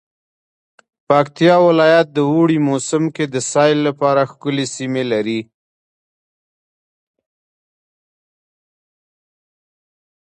پکتيا ولايت د اوړی موسم کی د سیل لپاره ښکلی سیمې لری